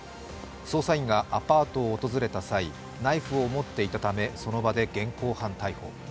捜査員がアパートを訪れた際、ナイフを持っていたためその場で現行犯逮捕。